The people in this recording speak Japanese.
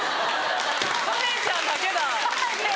・カレンちゃんだけだ